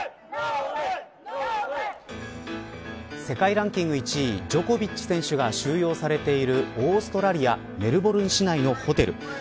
世界ランキング１位ジョコビッチ選手が収容されているオーストラリアメルボルン市内のホテル。